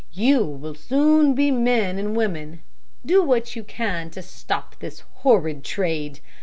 You will soon be men and women. Do what you can to stop this horrid trade.